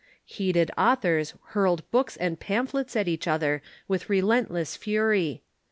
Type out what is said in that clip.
Heated authors hui led books and pamphlets at each other with relentless fury.